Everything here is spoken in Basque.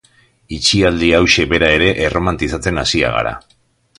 Itxialdi hauxe bera ere erromantizatzen hasiak gara.